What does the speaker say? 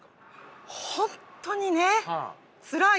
本当にねつらい。